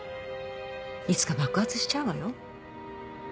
いつか爆発しちゃうわよ。